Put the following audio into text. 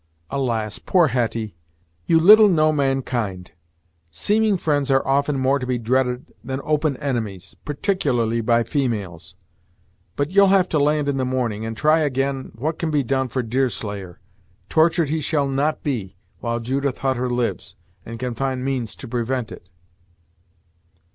"Alas! poor Hetty, you little know mankind! Seeming friends are often more to be dreaded than open enemies; particularly by females. But you'll have to land in the morning, and try again what can be done for Deerslayer. Tortured he shall not be, while Judith Hutter lives, and can find means to prevent it."